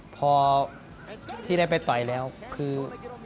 พอได้ไปต่๋อยแล้วคือ